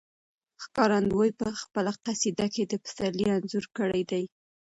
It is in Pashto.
ښکارندوی په خپله قصیده کې د پسرلي انځور کړی دی.